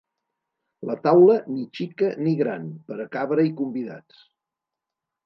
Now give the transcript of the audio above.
La taula ni xica ni gran pera cabre-hi convidats;